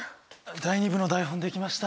第２部の台本できました。